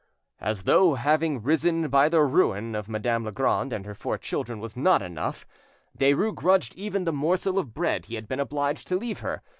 As though having risen by the ruin of Madame Legrand and her four children was not enough, Derues grudged even the morsel of bread he had been obliged to leave her.